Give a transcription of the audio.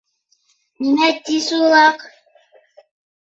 — Нимә ти сулаҡ?